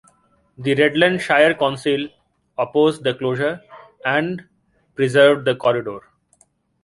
The Redland Shire Council opposed the closure, and preserved the corridor.